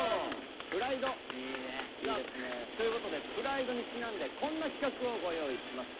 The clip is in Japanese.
「ＰＲＩＤＥ」いいですね。ということで「ＰＲＩＤＥ」にちなんでこんな企画をご用意しました。